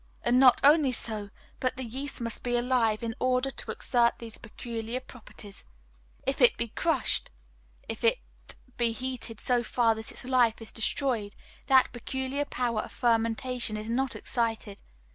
And not only so, but the yeast must be alive in order to exert these peculiar properties. If it be crushed, if it be heated so far that its life is destroyed, that peculiar power of fermentation is not excited.